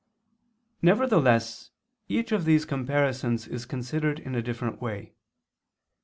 Nevertheless each of these comparisons is considered in a different way.